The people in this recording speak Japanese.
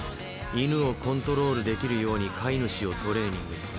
犬をコントロールできるように飼い主をトレーニングする。